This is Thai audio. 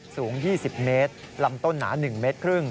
สูง๒๐เมตรลำต้นหนา๑๕เมตร